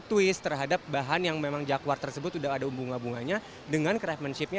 twist terhadap bahan yang memang jaguar tersebut udah ada bunga bunganya dengan craftsmanshipnya